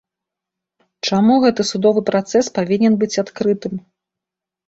Чаму гэты судовы працэс павінен быць адкрытым?